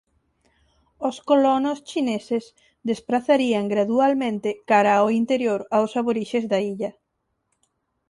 Os colonos chineses desprazarían gradualmente cara ao interior aos aborixes da illa.